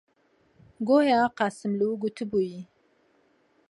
گۆیا قاسملوو گوتبووی: